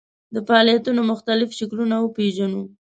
د فعالیتونو مختلف شکلونه وپېژنو.